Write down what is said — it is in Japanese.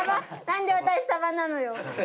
何で私サバなのよ。